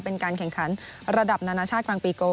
เป็นการแข่งขันระดับนานาชาติกลางปีโก